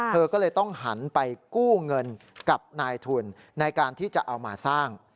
เธอก็เลยต้องหันไปกู้เงินกับนายทุนในการที่จะเอามาสร้าง